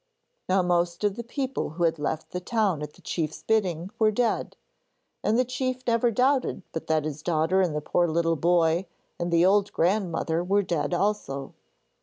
Now most of the people who had left the town at the chief's bidding were dead, and the chief never doubted but that his daughter and the poor little boy and the old grandmother were dead also.